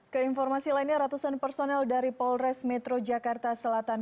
keinformasi lainnya ratusan personel dari polres metro jakarta selatan